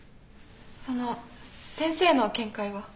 その先生の見解は？